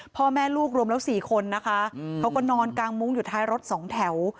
พ่อแม่ลูกรวมแล้ว๔คนนะคะเขาก็นอนกางมุ้งอยู่ท้ายรถสองแถว